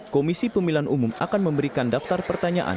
komisi pemilihan umum akan memberikan daftar pertanyaan